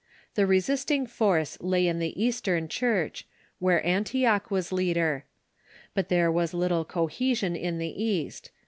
The resisting force lay in the Eastern Church, where Antioch Avas leader. But there was little cohesion in the East.